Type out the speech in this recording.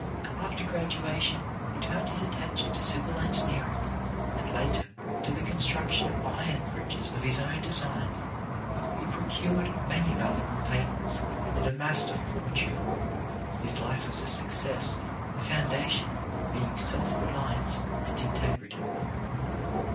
After graduation, he turned his attention to civil engineering, and, later, to the construction of iron bridges of his own design. He procured many valuable patents, and amassed a fortune. His life was a success, the foundation being self reliance and integrity.